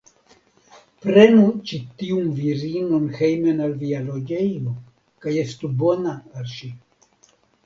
Prenu ĉi tiun virinon hejmen al via loĝejo, kaj estu bona al ŝi.